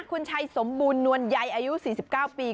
คุณชัยสมบูรณวลใยอายุ๔๙ปี